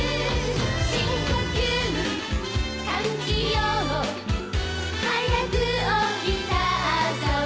「深呼吸感じよう」「はやく起きた朝は」